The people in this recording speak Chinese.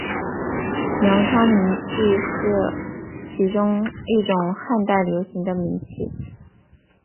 粮仓明器是其中一种汉代流行的明器。